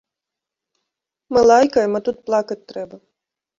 Мы лайкаем, а тут плакаць трэба.